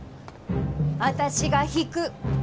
私が引く。